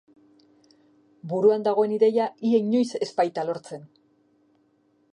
Buruan dagoen ideia ia inoiz ez baita lortzen.